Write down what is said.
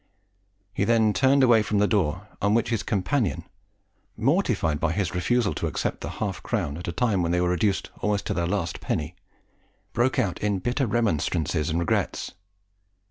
He then turned away from the door, on which his companion, mortified by his refusal to accept the half crown at a time when they were reduced almost to their last penny, broke out in bitter remonstrances and regrets.